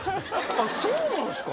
あっそうなんですか。